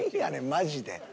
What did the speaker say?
マジで。